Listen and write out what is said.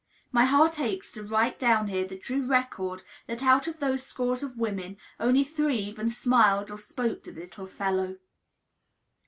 My heart aches to write down here the true record that out of those scores of women only three even smiled or spoke to the little fellow.